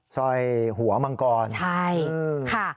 สร้อยหัวมังกรใช่ค่ะ